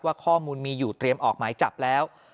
ข้อมูลมีอยู่เตรียมออกหมายจับแล้ว